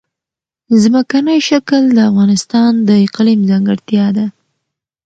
ځمکنی شکل د افغانستان د اقلیم ځانګړتیا ده.